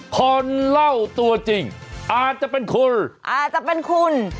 คนเล่าตัวจริงอาจจะเป็นคุณ